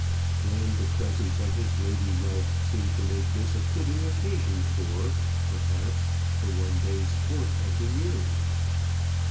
Then the presence of his lady love seemed to make this a fitting occasion for, perhaps, the one day's sport of the year.